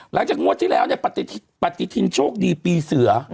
งวดที่แล้วเนี่ยปฏิทินโชคดีปีเสือ